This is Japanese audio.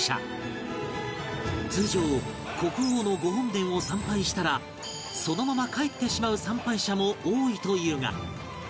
通常国宝の御本殿を参拝したらそのまま帰ってしまう参拝者も多いというが